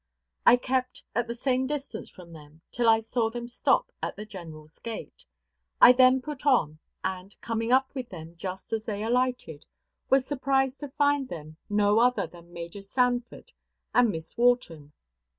I kept at the same distance from them till I saw them stop at the general's gate. I then put on, and, coming up with them just as they alighted, was surprised to find them no other than Major Sanford and Miss Wharton.